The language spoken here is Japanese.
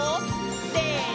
せの！